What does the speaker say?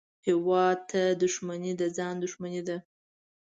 هېواد ته دښمني د ځان دښمني ده